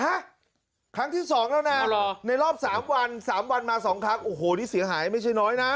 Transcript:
ครั้งที่สองแล้วนะในรอบ๓วัน๓วันมาสองครั้งโอ้โหนี่เสียหายไม่ใช่น้อยนะ